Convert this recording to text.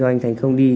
rồi anh thành không đi